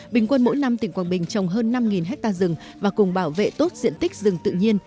bình quân mỗi năm tỉnh quảng bình trồng hơn năm hectare rừng và cùng bảo vệ tốt diện tích rừng tự nhiên